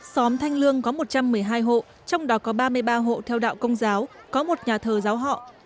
xóm thanh lương có một trăm một mươi hai hộ trong đó có ba mươi ba hộ theo đạo công giáo có một nhà thờ giáo họ